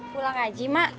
pulang aja ma